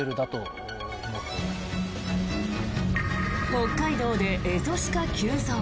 北海道でエゾシカ急増。